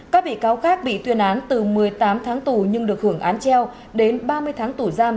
các bị cáo khác bị tuyên án từ một mươi tám tháng tù nhưng được hưởng án treo đến ba mươi tháng tù giam